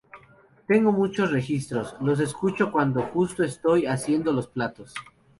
Tengo muchos registros, los escucho cuándo justo estoy haciendo los platos.